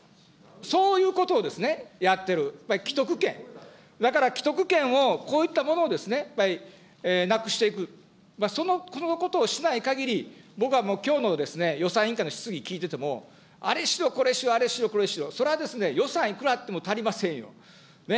そういうことをですね、やってる、既得権、だから既得権を、こういったものをですね、やっぱりなくしていく、このことをしないかぎり、僕はもうきょうの予算委員会の質疑聞いてても、あれしろこれしろ、あれしろこれしろ、それは予算いくらあっても足りませんよ。